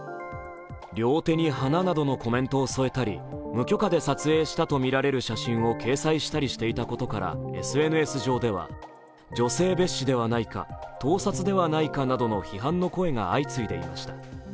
「両手に花」などのコメントを添えたり無許可で撮影したとみられる写真を掲載していたことからＳＮＳ上では、女性蔑視ではないか、盗撮ではないかなどの批判の声が相次いでいました。